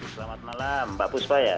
selamat malam mbak puspa ya